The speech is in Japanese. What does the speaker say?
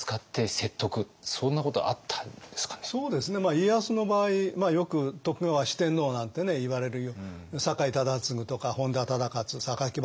家康の場合よく徳川四天王なんていわれるように酒井忠次とか本多忠勝榊原